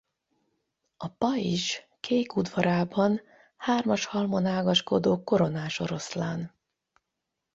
A paizs kék udvarában hármas halmon ágaskodó koronás oroszlán.